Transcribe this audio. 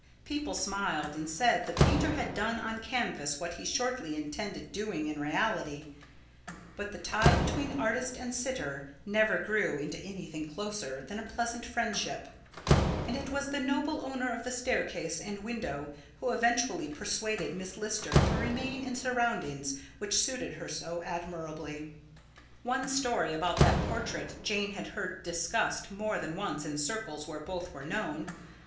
People smiled, and said the painter had done on canvas what he shortly intended doing in reality; but the tie between artist and sitter never grew into anything closer than a pleasant friendship, and it was the noble owner of the staircase and window who eventually persuaded Miss Lister to remain in surroundings which suited her so admirably. One story about that portrait Jane had heard discussed more than once in circles where both were known.